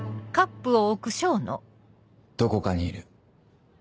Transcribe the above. どこかにいる。